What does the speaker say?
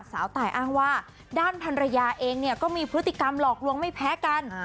สาวตายอ้างว่าด้านพันรยาเองเนี่ยก็มีพฤติกรรมหลอกลวงไม่แพ้กัน